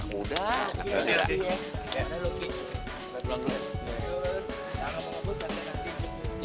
yaudah deh sing nadin pulang dulu ya